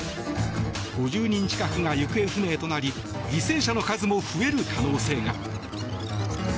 ５０人近くが行方不明となり犠牲者の数も増える可能性が。